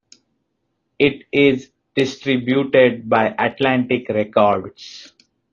It is distributed by Atlantic Records.